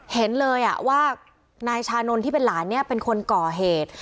เห็นเลยว่านายชานนท์ที่เป็นหลานเนี่ยเป็นคนก่อเหตุ